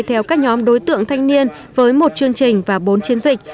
theo các nhóm đối tượng thanh niên với một chương trình và bốn chiến dịch